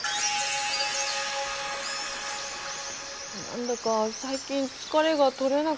何だか最近疲れが取れなくって。